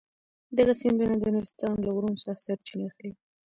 دغه سیندونه د نورستان له غرونو څخه سرچینه اخلي.